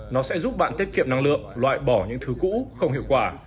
nó sẽ giúp bạn tiết kiệm năng lượng loại bỏ những thứ cũ không hiệu quả